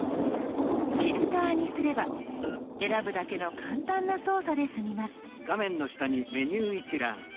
「フィルター」にすれば選ぶだけの簡単な操作で済みます。